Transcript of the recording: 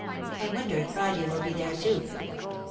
I wonder if Friday will be there too?